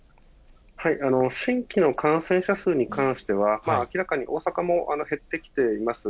新規の感染者数に関しては、明らかに大阪も減ってきています。